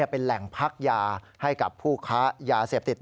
เป็นแหล่งพักยาให้กับผู้ค้ายาเสพติด